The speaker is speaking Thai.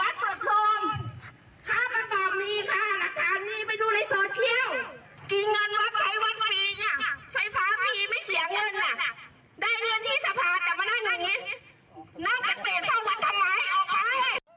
กินเงินวัดไทยวัดฟรีไฟฟ้ามีไม่เสียเงิน